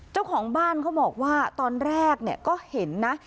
เจ้าของบ้านเขาบอกว่าตอนแรกเนี่ยก็เห็นนะ